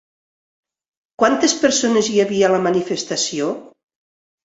Quantes persones hi havia a la manifestació?